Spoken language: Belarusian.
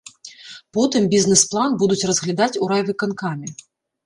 Потым бізнес-план будуць разглядаць у райвыканкаме.